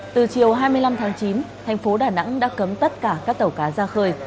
từ chiều hai mươi năm tháng chín thành phố đà nẵng đã cấm tất cả các tàu cá ra khơi